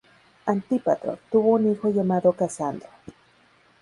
Antípatro tuvo un hijo llamado Casandro.